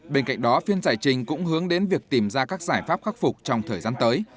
bên cạnh đó phiên giải trình cũng hướng đến việc tìm ra các giải pháp khắc phục trong thời gian tới